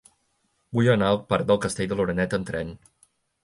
Vull anar al parc del Castell de l'Oreneta amb tren.